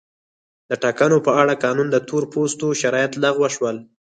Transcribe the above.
د ټاکنو په اړه قانون د تور پوستو شرایط لغوه شول.